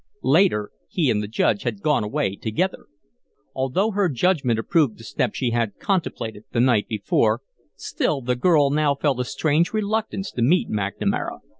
Later, he and the Judge had gone away together. Although her judgment approved the step she had contemplated the night before, still the girl now felt a strange reluctance to meet McNamara.